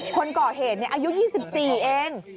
คนก่อเหตุเนี่ยอายุ๒๔เอง